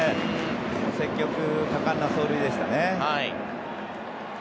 積極果敢な走塁でしたね。